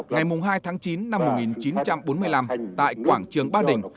ngày hai tháng chín năm một nghìn chín trăm bốn mươi năm tại quảng trường ba đình